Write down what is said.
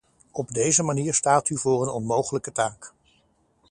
Op deze manier staat u voor een onmogelijke taak.